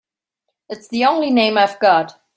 It's the only name I've got.